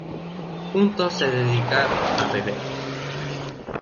Juntos se dedican a beber.